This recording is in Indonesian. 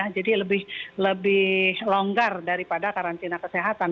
jadi lebih longgar daripada karantina kesehatan